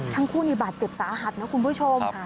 ทั้งคู่นี่บาดเจ็บสาหัสนะคุณผู้ชม